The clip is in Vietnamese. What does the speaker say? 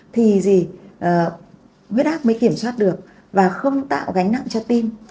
thì huyết áp mới kiểm soát được và không tạo gánh nặng cho tim